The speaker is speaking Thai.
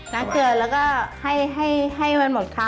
ล้างเกลือแล้วก็ให้มันหมดขาว